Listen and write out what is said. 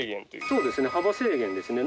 そうですね幅制限ですね。